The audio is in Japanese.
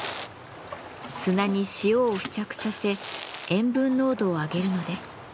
砂に塩を付着させ塩分濃度を上げるのです。